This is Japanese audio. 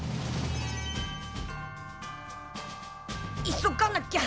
急がなきゃ。